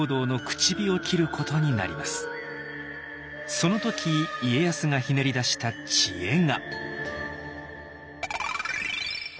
その時家康がひねり出した「知恵」が。